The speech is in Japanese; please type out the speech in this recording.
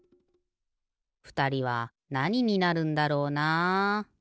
ふたりはなにになるんだろうな。